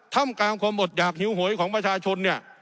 ทำกลางความอดหยากหิวโหยของประชาชนเนี่ย